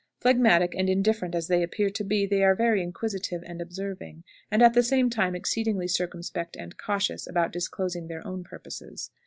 Phlegmatic and indifferent as they appear to be, they are very inquisitive and observing, and, at the same time, exceedingly circumspect and cautious about disclosing their own purposes.